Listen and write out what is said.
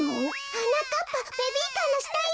はなかっぱベビーカーのしたよ！